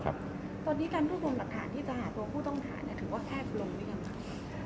ตอนนี้การรวบรวมหลักฐานที่จะหาตัวผู้ต้องหาถือว่าแคบลงหรือยังคะ